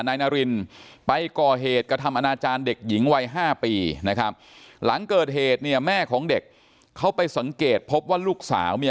นายนารินไปก่อเหตุกระทำอนาจารย์เด็กหญิงวัย๕ปีนะครับหลังเกิดเหตุเนี่ยแม่ของเด็กเขาไปสังเกตพบว่าลูกสาวเนี่ย